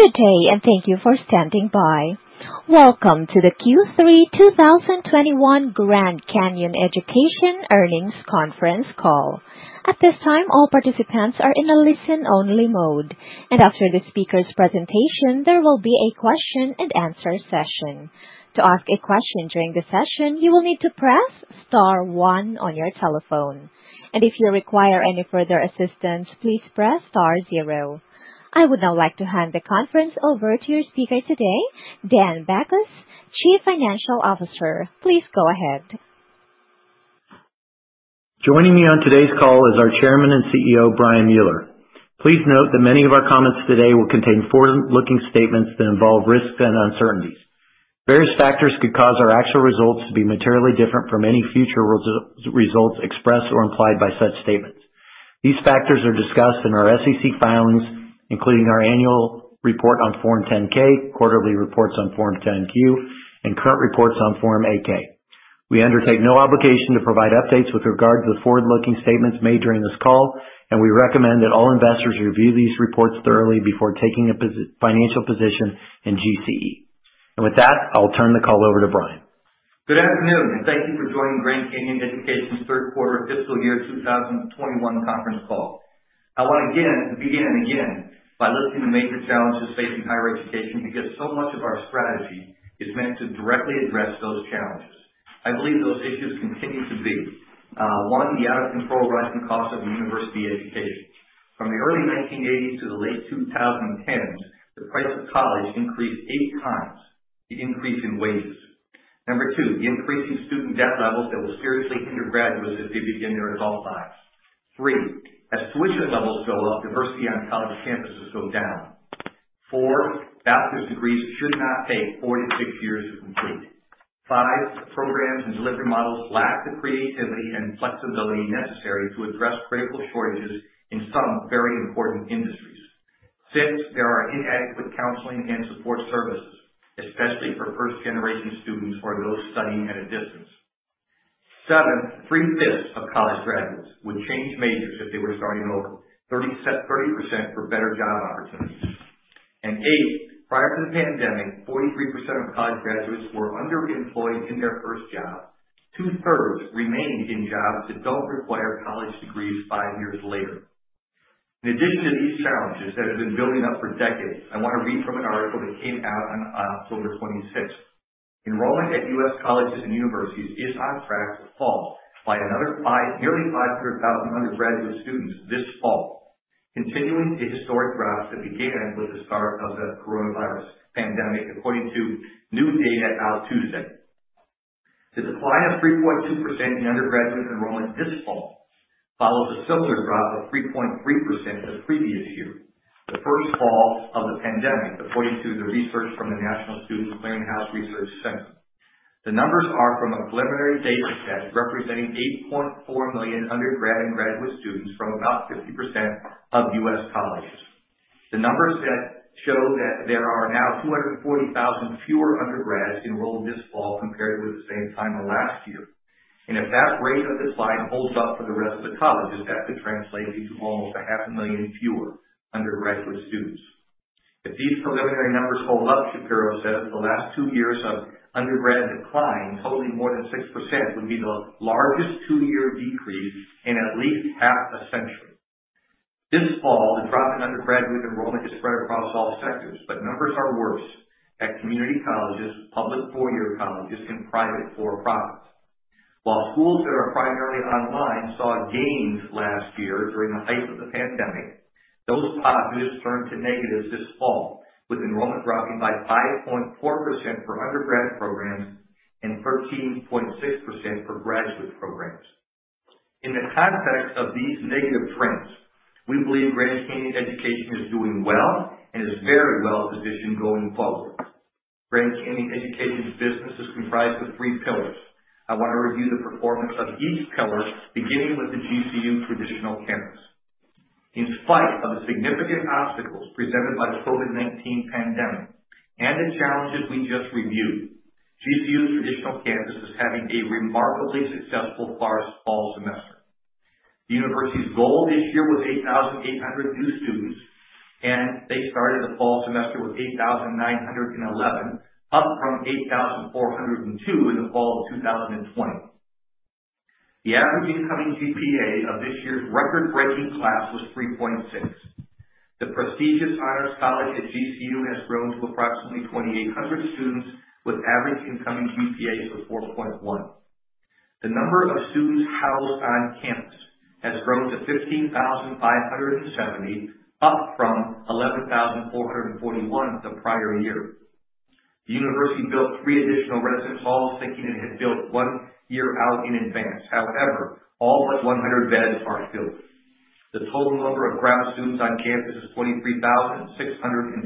Good day, and thank you for standing by. Welcome to the Q3 2021 Grand Canyon Education earnings conference call. At this time, all participants are in a listen-only mode, and after the speaker's presentation, there will be a question-and-answer session. To ask a question during the session, you will need to press star one on your telephone, and if you require any further assistance, please press star zero. I would now like to hand the conference over to your speaker today, Dan Bachus, Chief Financial Officer. Please go ahead. Joining me on today's call is our Chairman and CEO, Brian Mueller. Please note that many of our comments today will contain forward-looking statements that involve risks and uncertainties. Various factors could cause our actual results to be materially different from any future results expressed or implied by such statements. These factors are discussed in our SEC filings, including our annual report on Form 10-K, quarterly reports on Form 10-Q, and current reports on Form 8-K. We undertake no obligation to provide updates with regard to the forward-looking statements made during this call, and we recommend that all investors review these reports thoroughly before taking a position in GCE. With that, I'll turn the call over to Brian. Good afternoon, and thank you for joining Grand Canyon Education's third quarter fiscal year 2021 conference call. I wanna begin by listing the major challenges facing higher education, because so much of our strategy is meant to directly address those challenges. I believe those issues continue to be one, the out-of-control rising cost of a university education. From the early 1980s to the late 2010s, the price of college increased eight times the increase in wages. Number two, the increasing student debt levels that will seriously hinder graduates as they begin their adult lives. Three, as tuition levels go up, diversity on college campuses go down. Four, bachelor's degrees should not take four to six years to complete. Five, programs and delivery models lack the creativity and flexibility necessary to address critical shortages in some very important industries. Six, there are inadequate counseling and support services, especially for first-generation students or those studying at a distance. Seven, three-fifths of college graduates would change majors if they were starting over, 30% for better job opportunities. Eight, prior to the pandemic, 43% of college graduates were underemployed in their first job. 2/3 remained in jobs that don't require college degrees five years later. In addition to these challenges that have been building up for decades, I wanna read from an article that came out on October 26th. Enrollment at U.S. colleges and universities is on track to fall by another 5%, nearly 500,000 undergraduate students this fall, continuing a historic drop that began with the start of the coronavirus pandemic, according to new data out Tuesday. The decline of 3.2% in undergraduate enrollment this fall follows a similar drop of 3.3% the previous year, the first fall of the pandemic, according to the research from the National Student Clearinghouse Research Center. The numbers are from a preliminary data set representing 8.4 million undergrad and graduate students from about 50% of U.S. colleges. The numbers that show that there are now 240,000 fewer undergrads enrolled this fall compared with the same time last year. If that rate of decline holds up for the rest of the colleges, that could translate into almost 500,000 fewer undergraduate students. If these preliminary numbers hold up, Shapiro says, the last two years of undergrad decline totaling more than 6% would be the largest two-year decrease in at least half a century. This fall, the drop in undergraduate enrollment is spread across all sectors, but numbers are worse at community colleges, public four-year colleges, and private for-profits. While schools that are primarily online saw gains last year during the height of the pandemic, those positives turned to negatives this fall, with enrollment dropping by 5.4% for undergrad programs and 13.6% for graduate programs. In the context of these negative trends, we believe Grand Canyon Education is doing well and is very well positioned going forward. Grand Canyon Education's business is comprised of three pillars. I wanna review the performance of each pillar, beginning with the GCU traditional campus. In spite of the significant obstacles presented by the COVID-19 pandemic and the challenges we just reviewed, GCU's traditional campus is having a remarkably successful fall semester. The university's goal this year was 8,800 new students, and they started the fall semester with 8,911, up from 8,402 in the fall of 2020. The average incoming GPA of this year's record-breaking class was 3.6. The prestigious honors college at GCU has grown to approximately 2,800 students with average incoming GPAs of 4.1. The number of students housed on campus has grown to 15,570, up from 11,441 the prior year. The university built three additional residence halls thinking it had built one year out in advance. However, all but 100 beds are filled. The total number of grad students on campus is 23,628.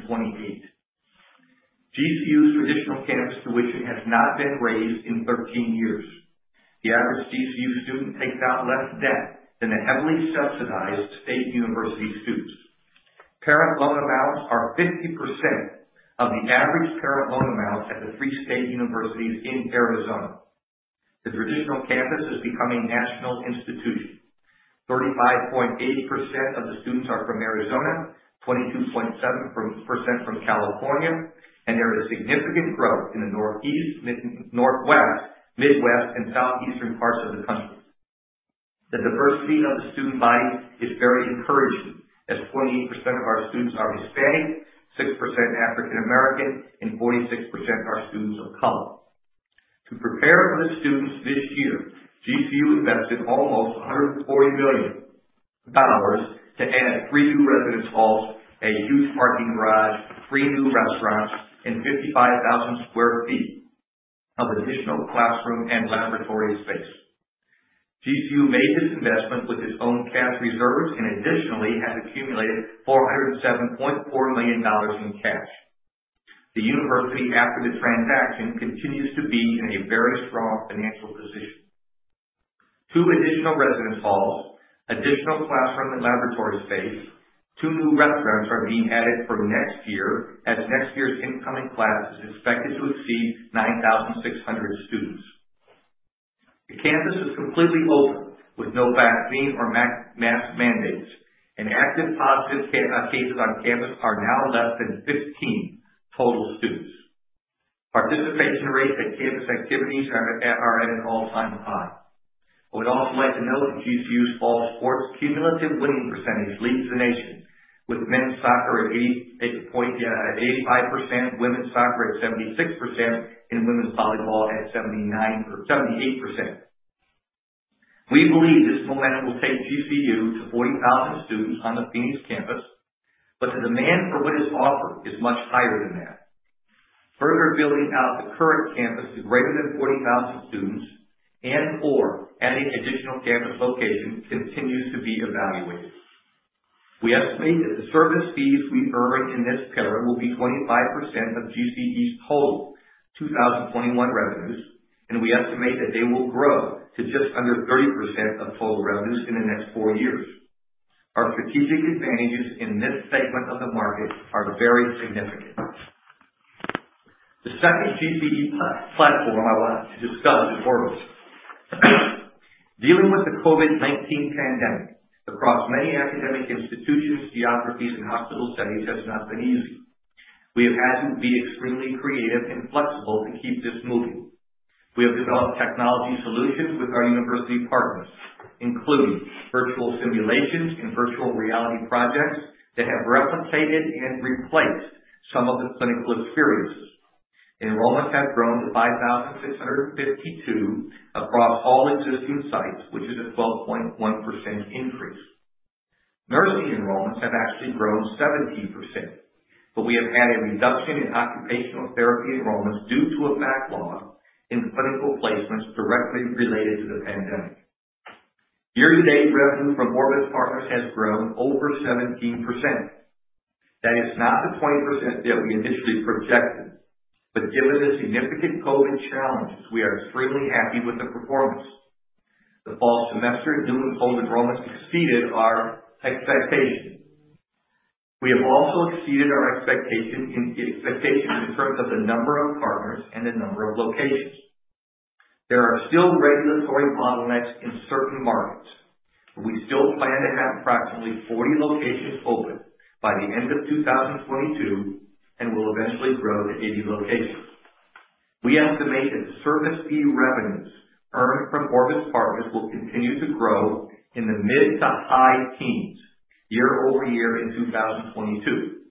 GCU's traditional campus tuition has not been raised in 13 years. The average GCU student takes out less debt than the heavily subsidized state university students. Parent loan amounts are 50% of the average parent loan amounts at the three state universities in Arizona. The traditional campus is becoming a national institution. 35.8% of the students are from Arizona, 22.7% from California, and there is significant growth in the Northeast, Mid-Northwest, Midwest, and Southeastern parts of the country. The diversity of the student body is very encouraging as 28% of our students are Hispanic, 6% African American, and 46% are students of color. To prepare for the students this year, GCU invested almost $140 million to add three new residence halls, a huge parking garage, three new restaurants, and 55,000 sq ft of additional classroom and laboratory space. GCU made this investment with its own cash reserves and additionally has accumulated $407.4 million in cash. The university, after the transaction, continues to be in a very strong financial position. Two additional residence halls, additional classroom and laboratory space, two new restaurants are being added for next year, as next year's incoming class is expected to exceed 9,600 students. The campus is completely open with no vaccine or mask mandates, and active positive cases on campus are now less than 15 total students. Participation rates at campus activities are at an all-time high. I would also like to note that GCU's fall sports cumulative winning percentage leads the nation with men's soccer at 88.85%, women's soccer at 76%, and women's volleyball at 79% or 78%. We believe this momentum will take GCU to 40,000 students on the Phoenix campus, but the demand for what is offered is much higher than that. Further building out the current campus to greater than 40,000 students and/or adding additional campus locations continues to be evaluated. We estimate that the service fees we earn in this pillar will be 25% of GCE's total 2021 revenues, and we estimate that they will grow to just under 30% of total revenues in the next four years. Our strategic advantages in this segment of the market are very significant. The second GCE platform I want to discuss is Orbis. Dealing with the COVID-19 pandemic across many academic institutions, geographies, and hospital settings has not been easy. We have had to be extremely creative and flexible to keep this moving. We have developed technology solutions with our university partners, including virtual simulations and virtual reality projects that have replicated and replaced some of the clinical experiences. Enrollment has grown to 5,652 across all existing sites, which is a 12.1% increase. Nursing enrollments have actually grown 17%, but we have had a reduction in occupational therapy enrollments due to a backlog in clinical placements directly related to the pandemic. Year-to-date revenue from Orbis partners has grown over 17%. That is not the 20% that we initially projected, but given the significant COVID challenges, we are extremely happy with the performance. The fall semester new enrollments exceeded our expectations. We have also exceeded our expectations in terms of the number of partners and the number of locations. There are still regulatory bottlenecks in certain markets. We still plan to have approximately 40 locations open by the end of 2022 and will eventually grow to 80 locations. We estimate that service fee revenues earned from Orbis partners will continue to grow in the mid- to high-teens year-over-year in 2022.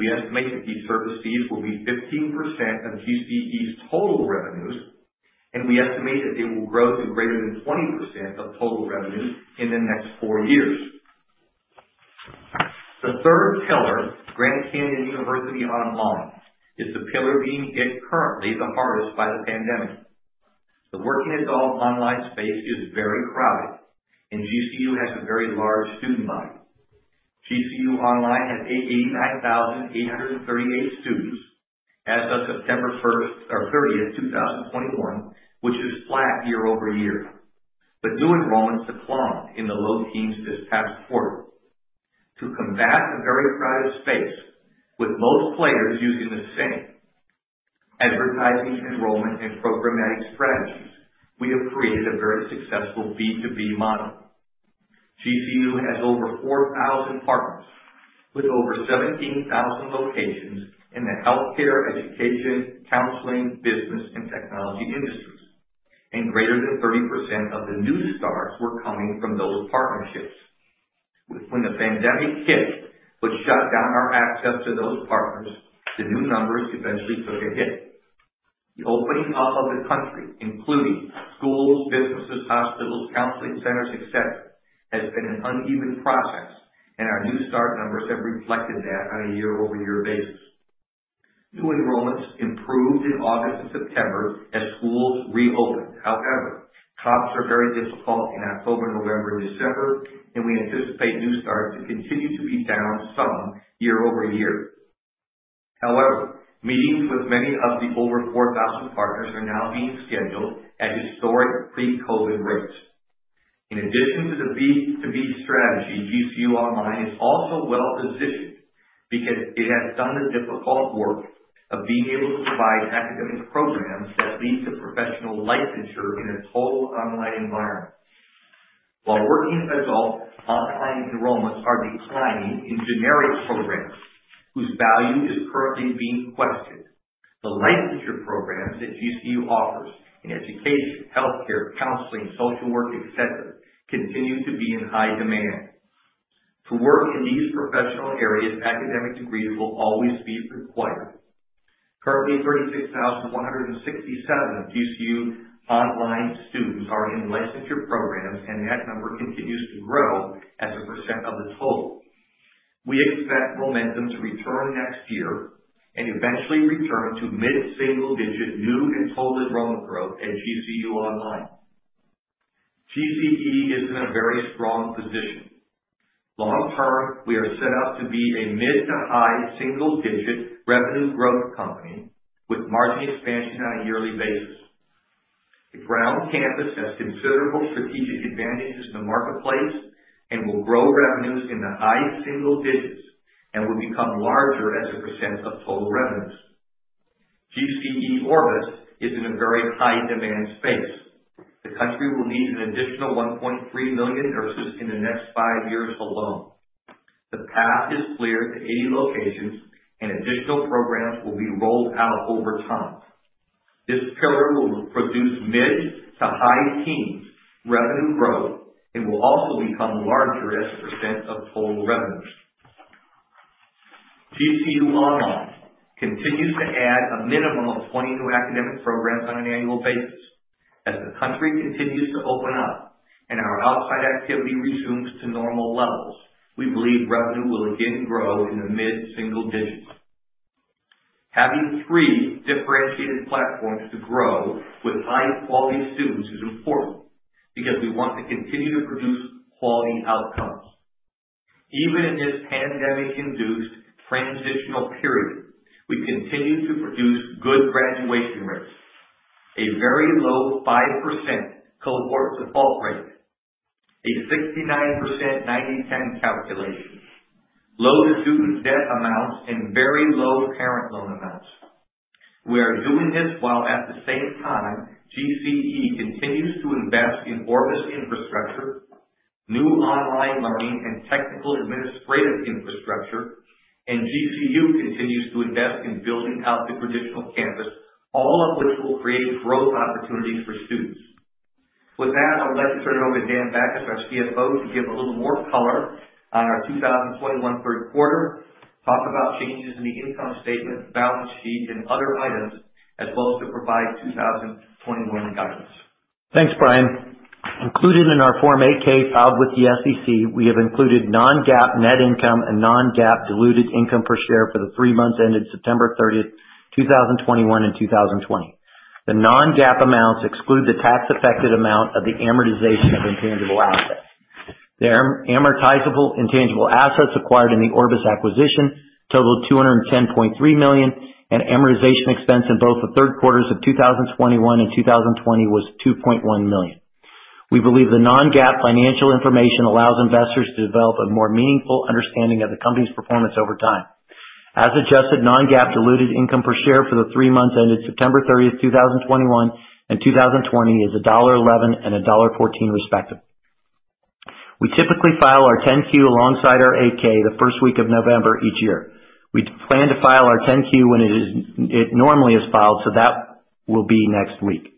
We estimate that these service fees will be 15% of GCE's total revenues, and we estimate that they will grow to greater than 20% of total revenues in the next four years. The third pillar, Grand Canyon University Online, is the pillar being hit currently the hardest by the pandemic. The working adult online space is very crowded, and GCU has a very large student body. GCU Online had 889,838 students as of September 1st or 30th, 2021, which is flat year-over-year. New enrollments declined in the low teens% this past quarter. To combat the very crowded space with most players using the same advertising, enrollment, and programmatic strategies, we have created a very successful B2B model. GCU has over 4,000 partners with over 17,000 locations in the healthcare, education, counseling, business, and technology industries. Greater than 30% of the new starts were coming from those partnerships. When the pandemic hit, which shut down our access to those partners, the new numbers eventually took a hit. The opening up of the country, including schools, businesses, hospitals, counseling centers, et cetera, has been an uneven process, and our new start numbers have reflected that on a year-over-year basis. New enrollments improved in August and September as schools reopened. However, comps are very difficult in October, November, and December, and we anticipate new starts to continue to be down some year over year. However, meetings with many of the over 4,000 partners are now being scheduled at historic pre-COVID rates. In addition to the B2B strategy, GCU Online is also well-positioned because it has done the difficult work of being able to provide academic programs that lead to professional licensure in a total online environment. While working-age adult online enrollments are declining in generic programs whose value is currently being questioned, the licensure programs that GCU offers in education, healthcare, counseling, social work, et cetera, continue to be in high demand. To work in these professional areas, academic degrees will always be required. Currently, 36,167 GCU Online students are in licensure programs, and that number continues to grow as a percent of the total. We expect momentum to return next year and eventually return to mid-single digit new and total enrollment growth at GCU Online. GCE is in a very strong position. Long term, we are set up to be a mid to high single digit revenue growth company with margin expansion on a yearly basis. The ground campus has considerable strategic advantages in the marketplace and will grow revenues in the high single digits and will become larger as a percent of total revenues. GCE Orbis is in a very high demand space. The country will need an additional 1.3 million nurses in the next five years alone. The path is clear to 80 locations and additional programs will be rolled out over time. This pillar will produce mid- to high-teens revenue growth and will also become larger as a percent of total revenue. GCU Online continues to add a minimum of 20 new academic programs on an annual basis. As the country continues to open up and our outside activity resumes to normal levels, we believe revenue will again grow in the mid-single digits. Having three differentiated platforms to grow with high quality students is important because we want to continue to produce quality outcomes. Even in this pandemic-induced transitional period, we continue to produce good graduation rates, a very low 5% cohort default rate, a 69% 90/10 calculation, low student debt amounts, and very low parent loan amounts. We are doing this while at the same time GCE continues to invest in Orbis infrastructure, new online learning and technical administrative infrastructure, and GCU continues to invest in building out the traditional campus, all of which will create growth opportunities for students. With that, I'd like to turn it over to Dan Bachus, our CFO, to give a little more color on our 2021 third quarter, talk about changes in the income statement, balance sheet, and other items, as well as to provide 2021 guidance. Thanks, Brian. Included in our Form 8-K filed with the SEC, we have included non-GAAP net income and non-GAAP diluted income per share for the three months ended September 30th, 2021 and 2020. The non-GAAP amounts exclude the tax affected amount of the amortization of intangible assets. The amortizable intangible assets acquired in the Orbis acquisition totaled $210.3 million, and amortization expense in both the third quarters of 2021 and 2020 was $2.1 million. We believe the non-GAAP financial information allows investors to develop a more meaningful understanding of the company's performance over time. As adjusted, non-GAAP diluted income per share for the three months ended September 30th, 2021 and 2020 is $1.11 and $1.14 respectively. We typically file our 10-Q alongside our 8-K the first week of November each year. We plan to file our 10-Q when it normally is filed, so that will be next week.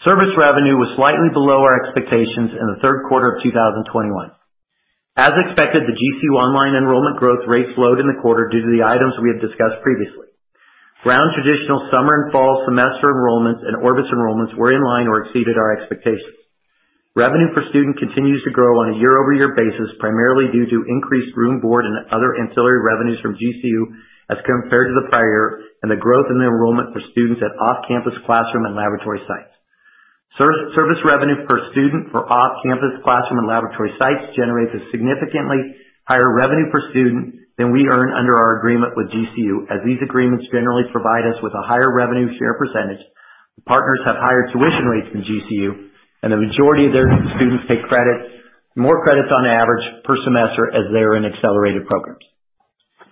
Service revenue was slightly below our expectations in the third quarter of 2021. As expected, the GCU Online enrollment growth rate slowed in the quarter due to the items we have discussed previously. Ground traditional summer and fall semester enrollments and Orbis enrollments were in line or exceeded our expectations. Revenue per student continues to grow on a year-over-year basis, primarily due to increased room and board and other ancillary revenues from GCU as compared to the prior year, and the growth in the enrollment for students at off-campus classroom and laboratory sites. Service revenue per student for off-campus classroom and laboratory sites generates a significantly higher revenue per student than we earn under our agreement with GCU, as these agreements generally provide us with a higher revenue share percentage. The partners have higher tuition rates than GCU, and the majority of their students take credits, more credits on average per semester as they are in accelerated programs.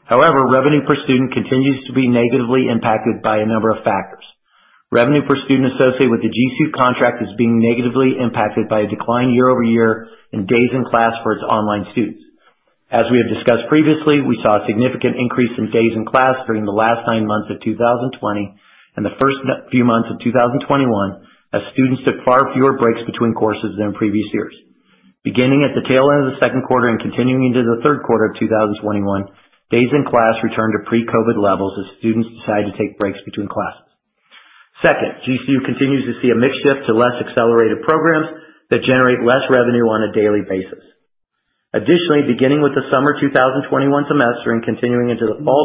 However, revenue per student continues to be negatively impacted by a number of factors. Revenue per student associated with the GCU contract is being negatively impacted by a decline year-over-year in days in class for its online students. As we have discussed previously, we saw a significant increase in days in class during the last nine months of 2020 and the first few months of 2021 as students took far fewer breaks between courses than previous years. Beginning at the tail end of the second quarter and continuing into the third quarter of 2021, days in class returned to pre-COVID levels as students decided to take breaks between classes. Second, GCU continues to see a mix shift to less accelerated programs that generate less revenue on a daily basis. Additionally, beginning with the summer 2021 semester and continuing into the fall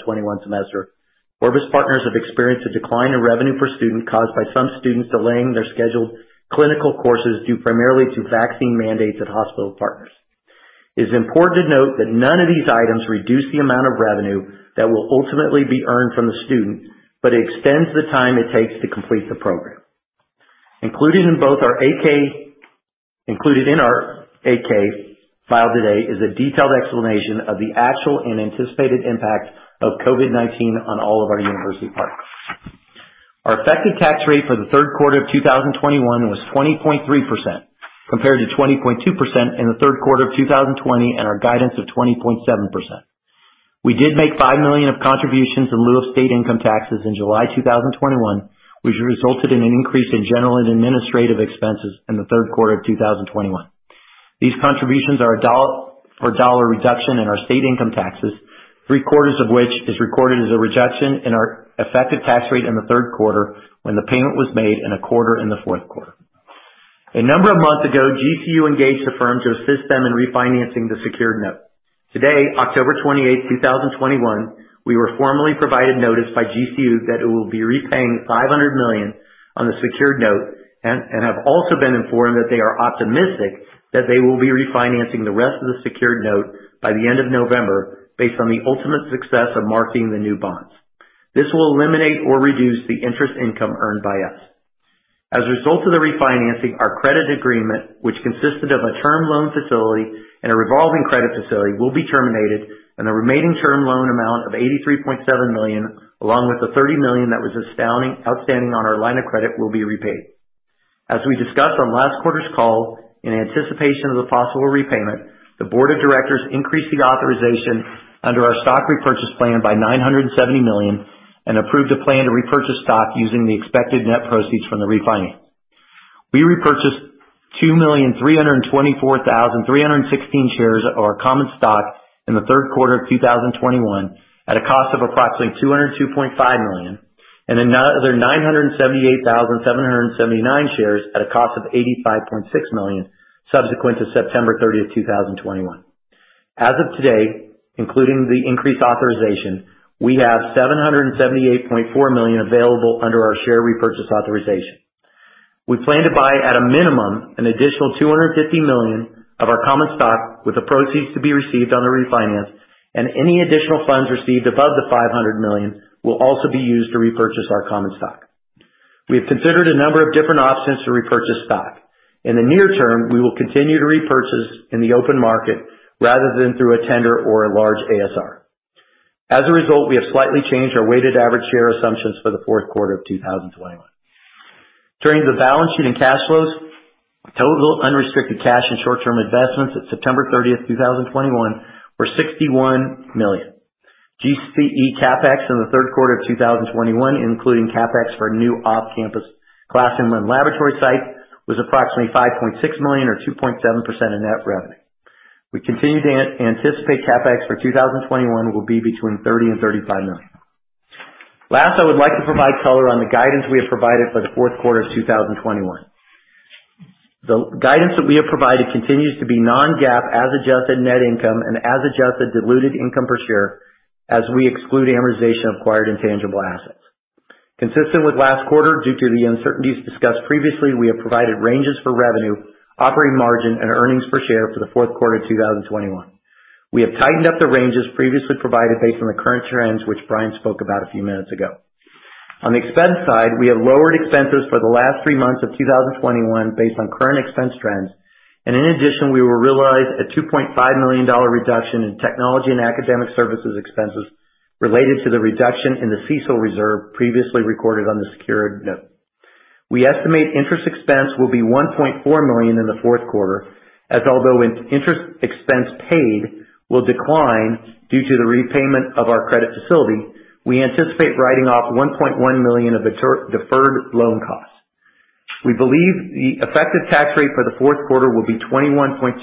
2021 semester, Orbis partners have experienced a decline in revenue per student caused by some students delaying their scheduled clinical courses due primarily to vaccine mandates at hospital partners. It's important to note that none of these items reduce the amount of revenue that will ultimately be earned from the student, but it extends the time it takes to complete the program. Included in our 8-K filed today is a detailed explanation of the actual and anticipated impact of COVID-19 on all of our university partners. Our effective tax rate for the third quarter of 2021 was 20.3% compared to 20.2% in the third quarter of 2020, and our guidance of 20.7%. We did make $5 million of contributions in lieu of state income taxes in July 2021, which resulted in an increase in general and administrative expenses in the third quarter of 2021. These contributions are a dollar for dollar reduction in our state income taxes, three quarters of which is recorded as a reduction in our effective tax rate in the third quarter when the payment was made in the quarter in the fourth quarter. A number of months ago, GCU engaged the firm to assist them in refinancing the secured note. Today, October 28th, 2021, we were formally provided notice by GCU that it will be repaying $500 million on the secured note and have also been informed that they are optimistic that they will be refinancing the rest of the secured note by the end of November based on the ultimate success of marketing the new bonds. This will eliminate or reduce the interest income earned by us. As a result of the refinancing, our credit agreement, which consisted of a term loan facility and a revolving credit facility, will be terminated and the remaining term loan amount of $83.7 million, along with the $30 million that was outstanding on our line of credit, will be repaid. As we discussed on last quarter's call, in anticipation of the possible repayment, the board of directors increased the authorization under our stock repurchase plan by $970 million and approved a plan to repurchase stock using the expected net proceeds from the refinance. We repurchased 2,324,316 shares of our common stock in the third quarter of 2021 at a cost of approximately $202.5 million, and another 978,779 shares at a cost of $85.6 million subsequent to September 30th, 2021. As of today, including the increased authorization, we have $778.4 million available under our share repurchase authorization. We plan to buy, at a minimum, an additional $250 million of our common stock with the proceeds to be received on the refinance, and any additional funds received above the $500 million will also be used to repurchase our common stock. We have considered a number of different options to repurchase stock. In the near term, we will continue to repurchase in the open market rather than through a tender or a large ASR. As a result, we have slightly changed our weighted average share assumptions for the fourth quarter of 2021. Turning to the balance sheet and cash flows, total unrestricted cash and short-term investments at September 30th, 2021, were $61 million. GCU CapEx in the third quarter of 2021, including CapEx for new off-campus classroom and laboratory site, was approximately $5.6 million or 2.7% of net revenue. We continue to anticipate CapEx for 2021 will be between $30 million and $35 million. Last, I would like to provide color on the guidance we have provided for the fourth quarter of 2021. The guidance that we have provided continues to be non-GAAP as adjusted net income and as adjusted diluted income per share as we exclude amortization of acquired intangible assets. Consistent with last quarter, due to the uncertainties discussed previously, we have provided ranges for revenue, operating margin, and earnings per share for the fourth quarter of 2021. We have tightened up the ranges previously provided based on the current trends, which Brian spoke about a few minutes ago. On the expense side, we have lowered expenses for the last three months of 2021 based on current expense trends. In addition, we will realize a $2.5 million reduction in technology and academic services expenses related to the reduction in the CECL reserve previously recorded on the secured note. We estimate interest expense will be $1.4 million in the fourth quarter as although the interest expense paid will decline due to the repayment of our credit facility, we anticipate writing off $1.1 million of deferred loan costs. We believe the effective tax rate for the fourth quarter will be 21.2%,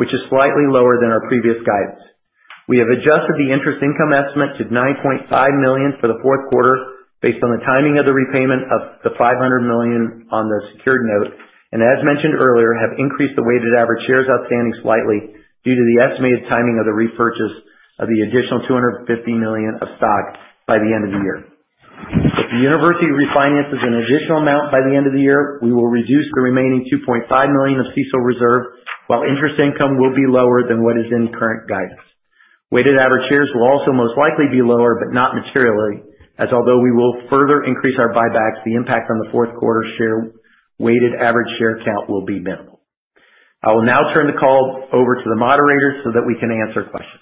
which is slightly lower than our previous guidance. We have adjusted the interest income estimate to $9.5 million for the fourth quarter based on the timing of the repayment of the $500 million on the secured note. As mentioned earlier, have increased the weighted average shares outstanding slightly due to the estimated timing of the repurchase of the additional $250 million of stock by the end of the year. If the university refinances an additional amount by the end of the year, we will reduce the remaining $2.5 million of CECL reserve, while interest income will be lower than what is in current guidance. Weighted average shares will also most likely be lower but not materially, as although we will further increase our buybacks, the impact on the fourth quarter weighted average share count will be minimal. I will now turn the call over to the moderator so that we can answer questions.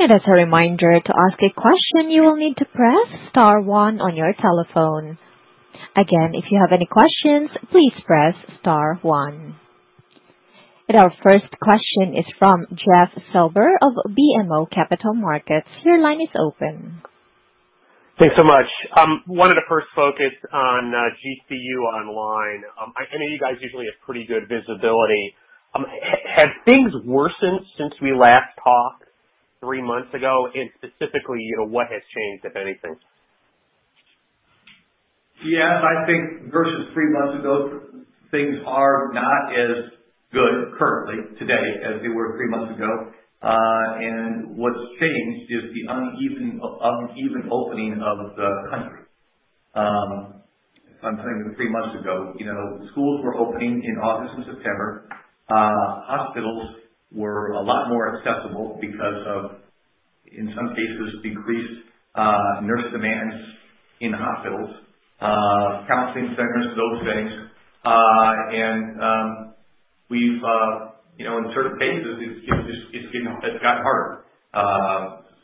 As a reminder to ask a question, you will need to press star one on your telephone. Again, if you have any questions, please press star one. Our first question is from Jeff Silber of BMO Capital Markets. Your line is open. Thanks so much. I wanted to first focus on GCU Online. I know you guys usually have pretty good visibility. Has things worsened since we last talked three months ago? Specifically, you know, what has changed, if anything? Yes, I think versus three months ago, things are not as good currently today as they were three months ago. What's changed is the uneven opening of the country. If I'm telling you three months ago, you know, schools were opening in August and September. Hospitals were a lot more accessible because of, in some cases, decreased nurse demands in hospitals, counseling centers, those things. We've you know, in certain phases, it's gotten harder.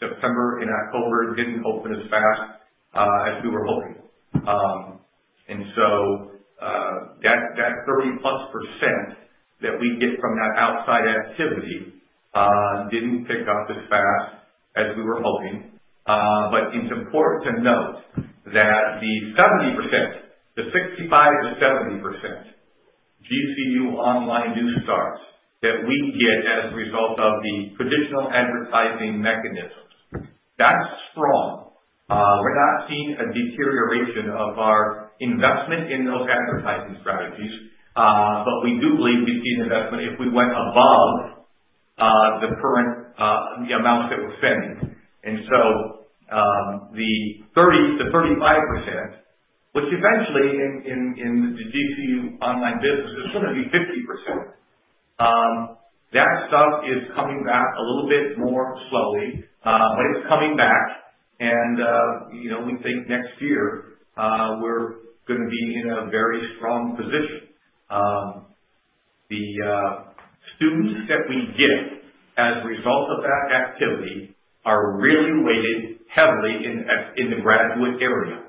September and October didn't open as fast as we were hoping. That 30%+ that we get from that outside activity didn't pick up as fast as we were hoping. It's important to note that the 70%, the 65%-70% GCU Online new starts that we get as a result of the traditional advertising mechanisms, that's strong. We're not seeing a deterioration of our investment in those advertising strategies, but we do believe we'd see an investment if we went above the current amounts that we're spending. The 30%-35%, which eventually in the GCU Online business is gonna be 50%. That stuff is coming back a little bit more slowly, but it's coming back and, you know, we think next year, we're gonna be in a very strong position. The students that we get as a result of that activity are really weighted heavily in the graduate area.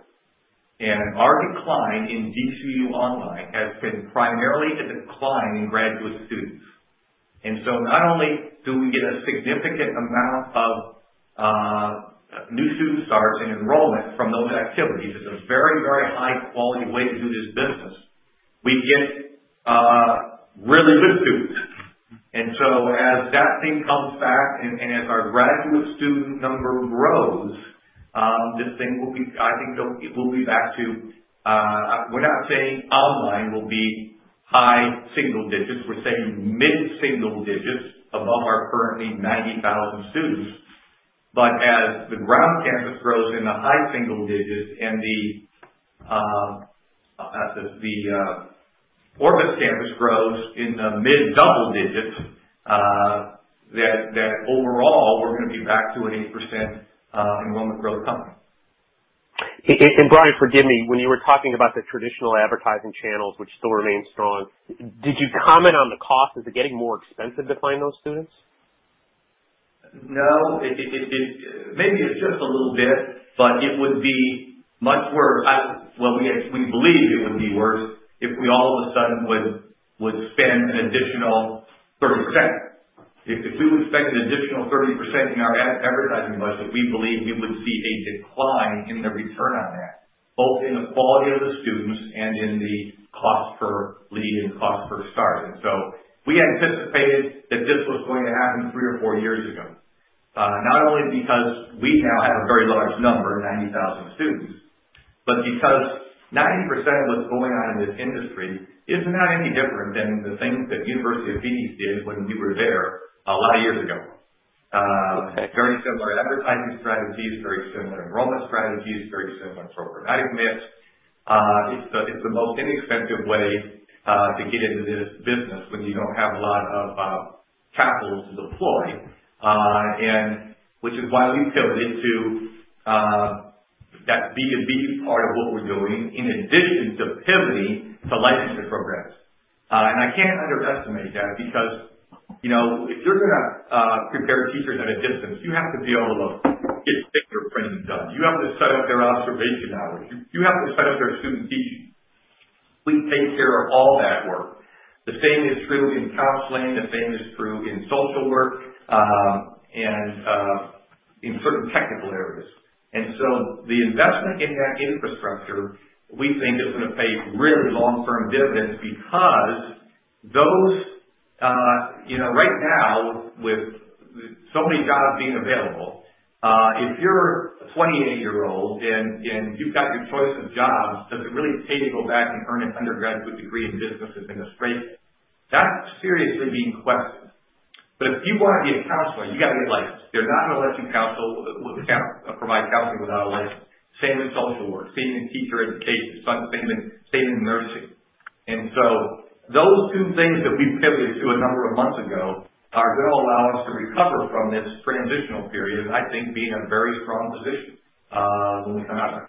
Our decline in GCU Online has been primarily a decline in graduate students. Not only do we get a significant amount of new student starts and enrollment from those activities. It's a very, very high quality way to do this business. We get really good students. As that thing comes back and as our graduate student number grows, this thing will be. I think it will be back to. We're not saying online will be high single digits. We're saying mid-single digits above our currently 90,000 students. As the ground campus grows in the high single digits and the Orbis campus grows in the mid-double digits, that overall we're gonna be back to an 8% enrollment growth company. Brian, forgive me, when you were talking about the traditional advertising channels, which still remain strong, did you comment on the cost? Is it getting more expensive to find those students? No. Maybe it's just a little bit, but it would be much worse. Well, we believe it would be worse if we all of a sudden would spend an additional 30%. If we would spend an additional 30% in our advertising budget, we believe we would see a decline in the return on that, both in the quality of the students and in the cost per lead and cost per start. We anticipated that this was going to happen three or four years ago. Not only because we now have a very large number, 90,000 students, but because 90% of what's going on in this industry is not any different than the things that University of Phoenix did when we were there a lot of years ago. Very similar advertising strategies, very similar enrollment strategies, very similar program mix. It's the most inexpensive way to get into this business when you don't have a lot of capital to deploy. Which is why we pivoted to that B2B part of what we're doing in addition to pivoting to licensure programs. I can't underestimate that because, you know, if you're gonna prepare teachers at a distance, you have to be able to get fingerprinting done. You have to set up their observation hours. You have to set up their student teaching. We take care of all that work. The same is true in counseling, the same is true in social work, and in certain technical areas. The investment in that infrastructure, we think, is gonna pay really long-term dividends because those right now, with so many jobs being available, if you're a 28-year-old and you've got your choice of jobs, does it really pay to go back and earn an undergraduate degree in business administration? That's seriously being questioned. If you wanna be a counselor, you gotta get licensed. They're not gonna let you provide counseling without a license. Same in social work, same in teacher education, same in nursing. Those two things that we pivoted to a number of months ago are gonna allow us to recover from this transitional period and I think be in a very strong position when we come out of it.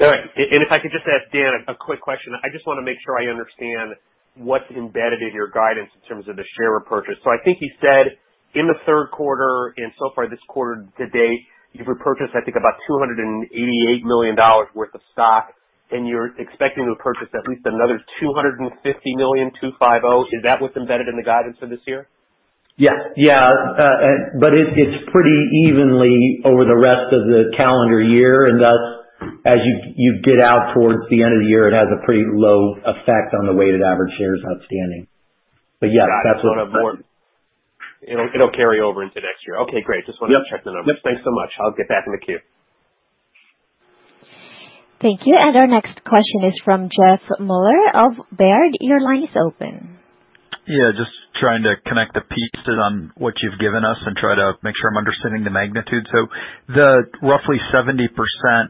All right. If I could just ask Dan a quick question. I just wanna make sure I understand what's embedded in your guidance in terms of the share repurchase. I think you said in the third quarter and so far this quarter to date, you've repurchased I think about $288 million worth of stock, and you're expecting to purchase at least another $250 million. Is that what's embedded in the guidance for this year? Yeah, yeah, but it's pretty evenly over the rest of the calendar year, and thus, as you get out towards the end of the year, it has a pretty low effect on the weighted average shares outstanding. Yes, that's what. Got it. No more. It'll carry over into next year. Okay, great. Just wanted to check the numbers. Yep. Thanks so much. I'll get back in the queue. Thank you. Our next question is from Jeff Meuler of Baird. Your line is open. Yeah, just trying to connect the pieces on what you've given us and try to make sure I'm understanding the magnitude. The roughly 70%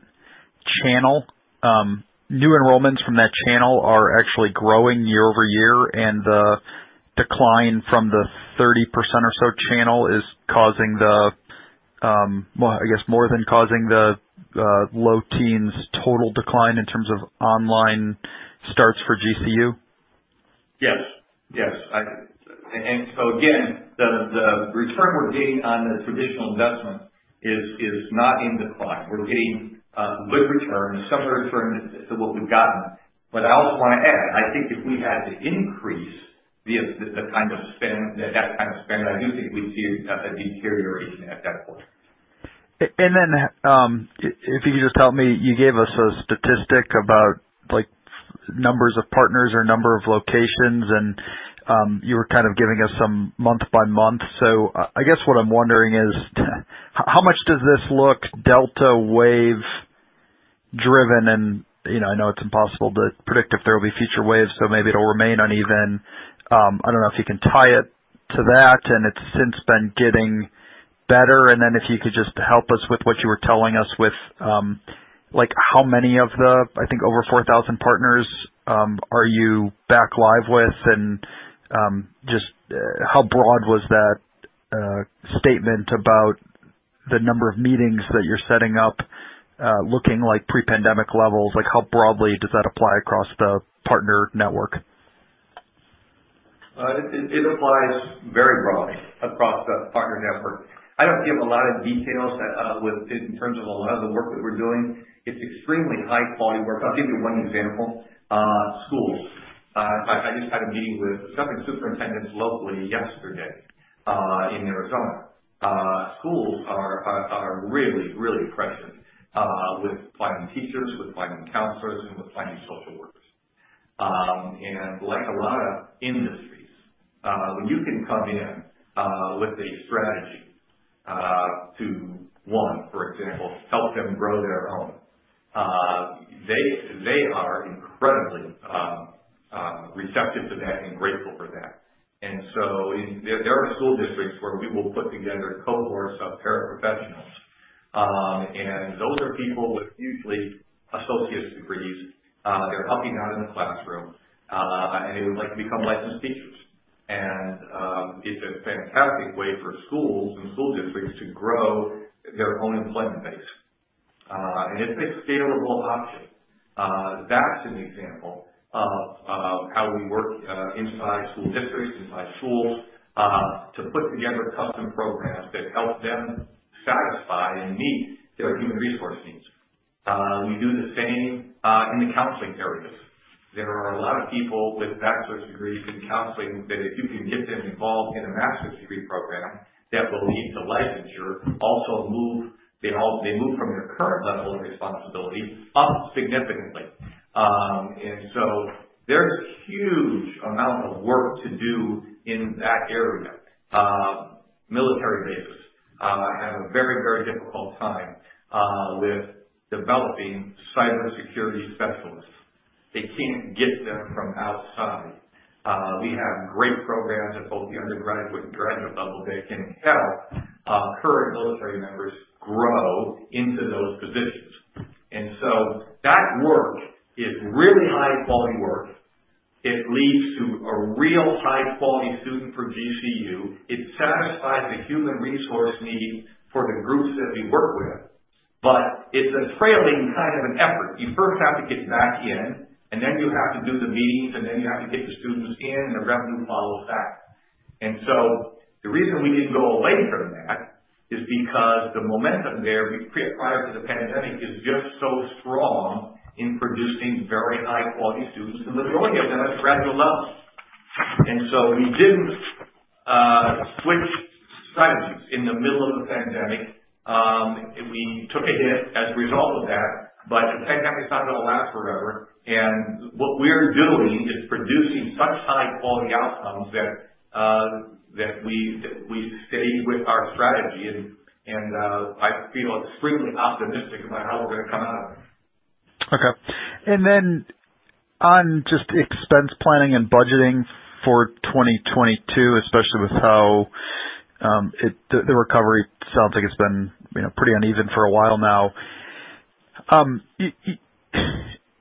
channel, new enrollments from that channel are actually growing year-over-year, and the decline from the 30% or so channel is causing the low-teens% total decline in terms of online starts for GCU. Yes. Yes, again, the return we're getting on the traditional investment is not in decline. We're getting good returns, similar returns to what we've gotten. I also wanna add, I think if we had to increase the kind of spend, that kind of spend, I do think we'd see a deterioration at that point. Then, if you could just help me, you gave us a statistic about, like, numbers of partners or number of locations and, you were kind of giving us some month by month. I guess what I'm wondering is how much does this look Delta wave driven? You know, I know it's impossible to predict if there will be future waves, so maybe it'll remain uneven. I don't know if you can tie it to that, and it's since been getting better. Then if you could just help us with what you were telling us with, like how many of the, I think, over 4,000 partners, are you back live with? Just how broad was that statement about the number of meetings that you're setting up, looking like pre-pandemic levels? Like, how broadly does that apply across the partner network? It applies very broadly across the partner network. I don't give a lot of details with it in terms of a lot of the work that we're doing. It's extremely high quality work. I'll give you one example. Schools. I just had a meeting with several superintendents locally yesterday in Arizona. Schools are really pressured with finding teachers, with finding counselors, and with finding social workers. Like a lot of industries, when you can come in with a strategy to one, for example, help them grow their own, they are incredibly receptive to that and grateful for that. There are school districts where we will put together a cohort of paraprofessionals, and those are people with usually associate's degrees. They're helping out in the classroom, and they would like to become licensed teachers. It's a fantastic way for schools and school districts to grow their own employment base. It's a scalable option. That's an example of how we work inside school districts, inside schools, to put together custom programs that help them satisfy and meet their human resource needs. We do the same in the counseling areas. There are a lot of people with bachelor's degrees in counseling that if you can get them involved in a master's degree program that will lead to licensure, they move from their current level of responsibility up significantly. There's huge amount of work to do in that area. Military bases have a very, very difficult time with developing cybersecurity specialists. They can't get them from outside. We have great programs at both the undergraduate and graduate level that can help current military members grow into those positions. That work is really high-quality work. It leads to a real high-quality student for GCU. It satisfies the human resource need for the groups that we work with. It's a trailing kind of an effort. You first have to get them back in, and then you have to do the meetings, and then you have to get the students in, and the revenue follows that. The reason we didn't go away from that is because the momentum there prior to the pandemic is just so strong in producing very high quality students and then growing them at a gradual level. We didn't switch strategies in the middle of the pandemic. We took a hit as a result of that. The pandemic's not gonna last forever. What we're doing is producing such high quality outcomes that we stay with our strategy. I feel extremely optimistic about how we're gonna come out of it. Okay. On just expense planning and budgeting for 2022, especially with how the recovery sounds like it's been, you know, pretty uneven for a while now.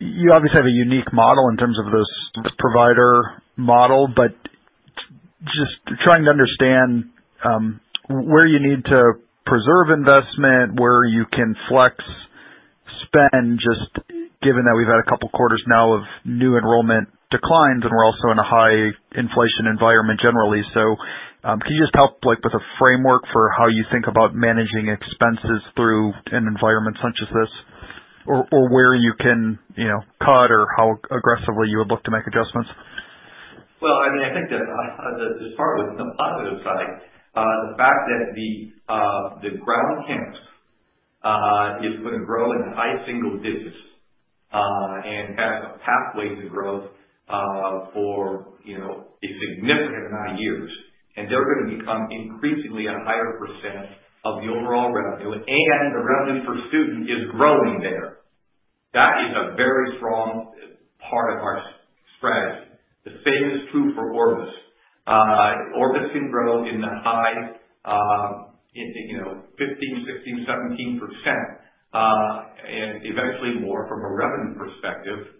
You obviously have a unique model in terms of this provider model, but just trying to understand where you need to preserve investment, where you can flex spend, just given that we've had a couple quarters now of new enrollment declines and we're also in a high inflation environment generally. Can you just help, like, with a framework for how you think about managing expenses through an environment such as this or where you can, you know, cut or how aggressively you would look to make adjustments? Well, I mean, I think that there's part with some positive side. The fact that the ground campus is gonna grow in the high single digits% and has a pathway to growth for, you know, a significant amount of years. They're gonna become increasingly a higher percent of the overall revenue. The revenue per student is growing there. That is a very strong part of our strategy. The same is true for Orbis. Orbis can grow in the high teens, you know, 15%-17% and eventually more from a revenue perspective.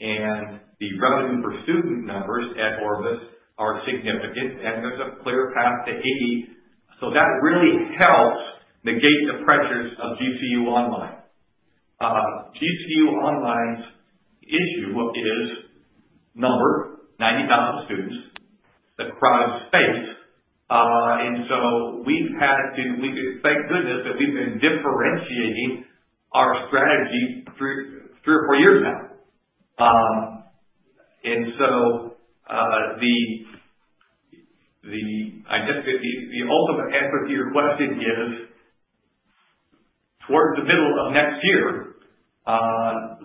The revenue per student numbers at Orbis are significant, and there's a clear path to 80%. That really helps negate the pressures of GCU Online. GCU Online's issue is the number 90,000 students across space. We've been differentiating our strategy three or four years now. The ultimate answer to your question is towards the middle of next year.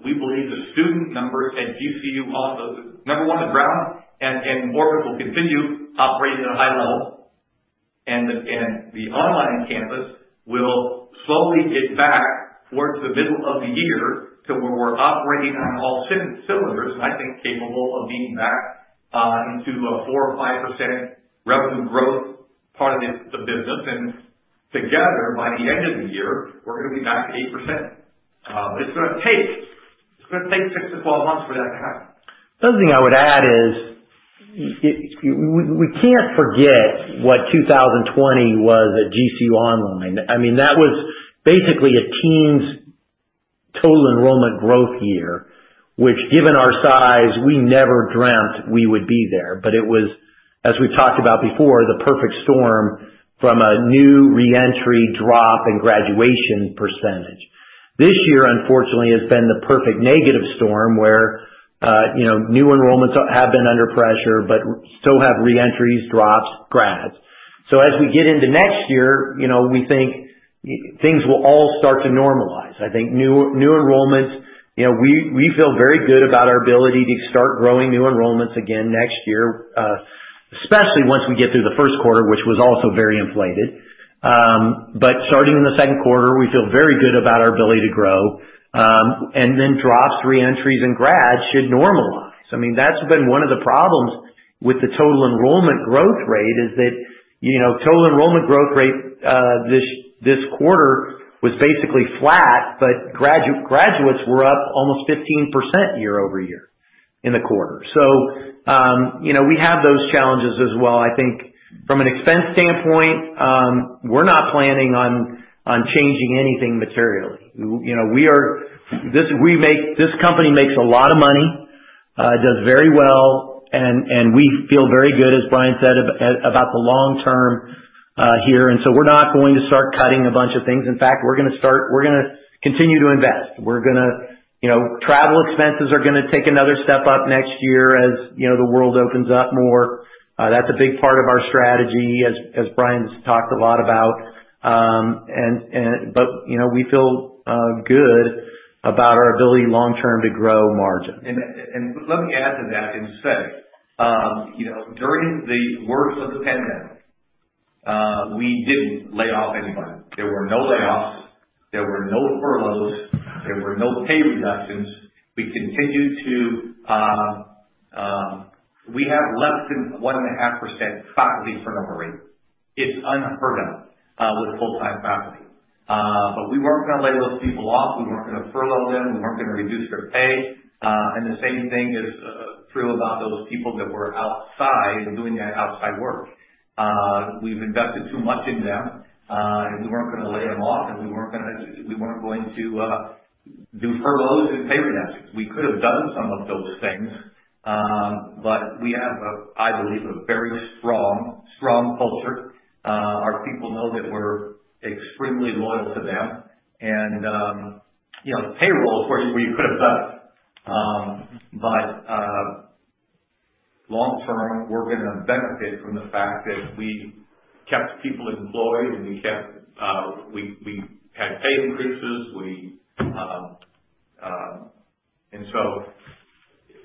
We believe the student numbers at GCU, number one, is growing and Orbis will continue operating at a high level. The online campus will slowly get back towards the middle of the year to where we're operating on all cylinders, and I think capable of being back into a 4% or 5% revenue growth part of the business. Together, by the end of the year, we're gonna be back to 8%. It's gonna take six to 12 months for that to happen. The other thing I would add is excuse me. We can't forget what 2020 was at GCU Online. I mean, that was basically a teens total enrollment growth year, which given our size, we never dreamt we would be there. It was, as we've talked about before, the perfect storm from a new re-entry drop and graduation percentage. This year, unfortunately, has been the perfect negative storm where, you know, new enrollments have been under pressure, but still have re-entries, drops, grads. As we get into next year, you know, we think things will all start to normalize. I think new enrollments, you know, we feel very good about our ability to start growing new enrollments again next year, especially once we get through the first quarter, which was also very inflated. Starting in the second quarter, we feel very good about our ability to grow. Drops, re-entries and grads should normalize. I mean, that's been one of the problems with the total enrollment growth rate is that, you know, total enrollment growth rate this quarter was basically flat, but graduates were up almost 15% year-over-year in the quarter. You know, we have those challenges as well. I think from an expense standpoint, we're not planning on changing anything materially. You know, this company makes a lot of money, it does very well and we feel very good, as Brian said, about the long term here. We're not going to start cutting a bunch of things. In fact, we're gonna continue to invest. We're gonna, you know, travel expenses are gonna take another step up next year, as, you know, the world opens up more. That's a big part of our strategy as Brian's talked a lot about. You know, we feel good about our ability long term to grow margin. Let me add to that and say, you know, during the worst of the pandemic, we didn't lay off anybody. There were no layoffs, there were no furloughs, there were no pay reductions. We have less than 1.5% faculty turnover rate. It's unheard of with full-time faculty. We weren't gonna lay those people off. We weren't gonna furlough them. We weren't gonna reduce their pay. The same thing is true about those people that were outside doing that outside work. We've invested too much in them. We weren't gonna lay them off, and we weren't going to do furloughs and pay reductions. We could have done some of those things, but we have a, I believe, a very strong culture. Our people know that we're extremely loyal to them. You know, payroll, of course, we could have done. Long term, we're gonna benefit from the fact that we kept people employed and we had pay increases.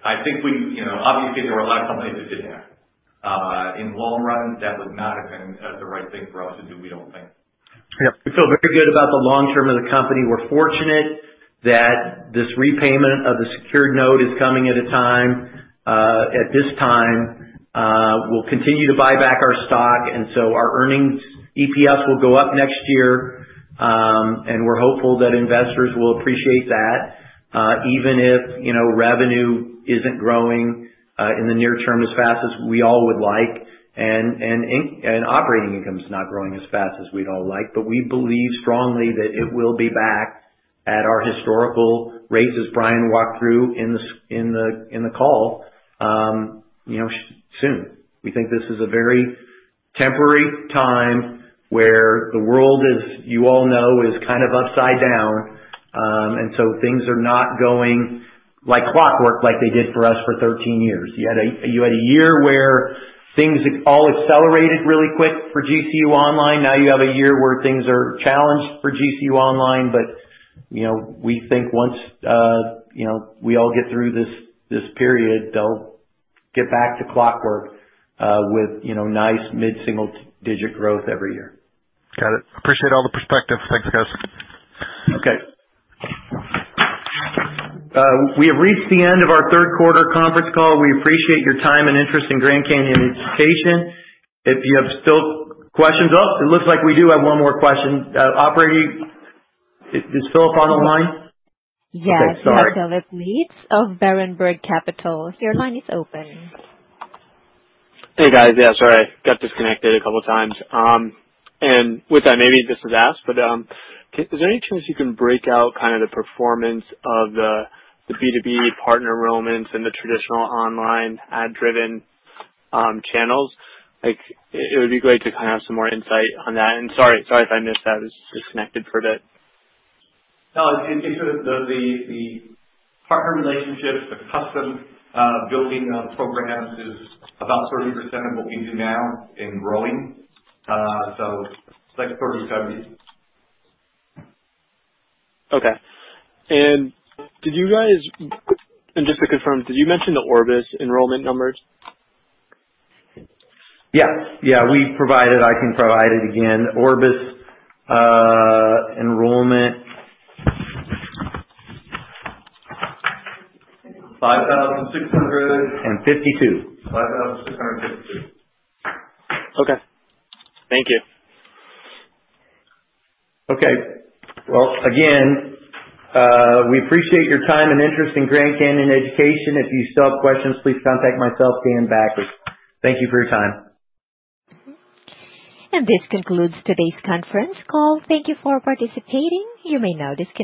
I think, you know, obviously there were a lot of companies that didn't. In the long run, that would not have been the right thing for us to do, we don't think. Yeah. We feel very good about the long term of the company. We're fortunate that this repayment of the secured note is coming at a time, at this time. We'll continue to buy back our stock, and so our earnings EPS will go up next year. We're hopeful that investors will appreciate that, even if, you know, revenue isn't growing, in the near term as fast as we all would like, and operating income's not growing as fast as we'd all like. We believe strongly that it will be back at our historical rates, as Brian walked through in the call, you know, soon. We think this is a very temporary time where the world is, you all know, kind of upside down. Things are not going like clockwork like they did for us for 13 years. You had a year where things all accelerated really quick for GCU Online. Now you have a year where things are challenged for GCU Online. You know, we think once you know, we all get through this period, they'll get back to clockwork with you know, nice mid-single digit growth every year. Got it. Appreciate all the perspective. Thanks, guys. Okay. We have reached the end of our third quarter conference call. We appreciate your time and interest in Grand Canyon Education. If you have still questions. Oh, it looks like we do have one more question. Operator, is Phillip on the line? Yes. Okay. Sorry. We have Phillip Leytes of Berenberg Capital Markets. Your line is open. Hey, guys. Yeah, sorry. Got disconnected a couple times. With that, maybe this was asked, but is there any chance you can break out kind of the performance of the B2B partner enrollments and the traditional online ad-driven channels? Like, it would be great to kind of have some more insight on that. Sorry if I missed that. I was disconnected for a bit. No. In terms of the partner relationships, the custom building of programs is about 30% of what we do now and growing. It's like 30/70. Okay. Just to confirm, did you mention the Orbis enrollment numbers? Yeah. We provided. I can provide it again. Orbis enrollment. 5,600. 52. Five thousand six hundred and fifty-two. Okay. Thank you. Okay. Well, again, we appreciate your time and interest in Grand Canyon Education. If you still have questions, please contact myself, Dan Bachus. Thank you for your time. This concludes today's conference call. Thank you for participating. You may now disconnect.